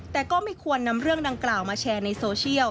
แต่ก็ไม่ควรนำเรื่องดังกล่าวมาแชร์ในโซเชียล